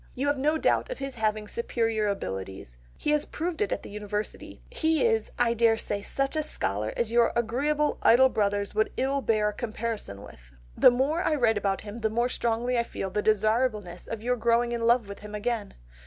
You have no doubt of his having superior abilities, he has proved it at the University, he is, I dare say, such a scholar as your agreeable idle brothers would ill bear a comparison with. The more I write about him the more strongly I feel the desirableness of your growing in love with him again....